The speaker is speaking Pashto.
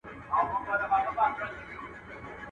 خېشکي، چي ډوډۍ خوري دروازې پېش کي.